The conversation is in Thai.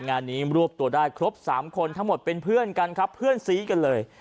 งานนี้รวบตัวได้ครบ๓คนทั้งหมดเป็นเพื่อนกันครับเพื่อนซีกันเลย